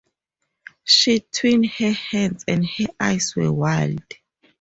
She twined her hands and her eyes were wild.